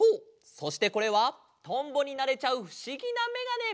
そしてこれはとんぼになれちゃうふしぎなめがね！